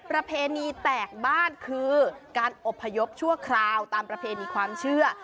ประเพณีแตกบ้านคือการอบพยพชั่วคราวตามประเพณีความเชื่อ